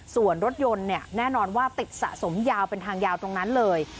ส่วนรถยนต์เนี่ยแน่นอนว่าติดสะสมยาวเป็นทางยาวตรงนั้นเลย